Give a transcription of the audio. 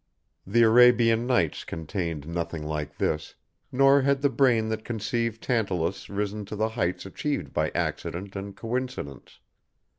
The Arabian Nights contained nothing like this, nor had the brain that conceived Tantalus risen to the heights achieved by accident and coincidence.